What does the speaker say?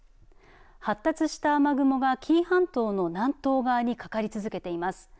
発達した雨雲が紀伊半島の南東側にかかり続けています。